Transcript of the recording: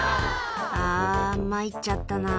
「あぁ参っちゃったな」